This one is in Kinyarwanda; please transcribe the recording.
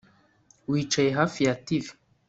Wicaye hafi ya TV